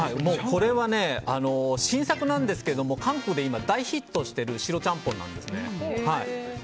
これはね、新作なんですけども韓国で今、大ヒットしてる白チャンポンなんです。